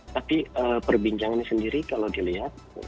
tapi perbincangan ini sendiri kalau dilihat